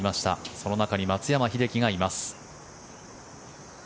その中に松山英樹がいます。